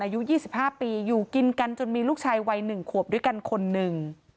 อายุ๒๕ปีอยู่กินกันจนมีลูกชายวัย๑ขวบด้วยกันคนหนึ่ง